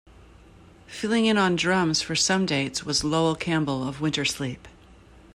Filling in on drums for some dates was Loel Campbell of Wintersleep.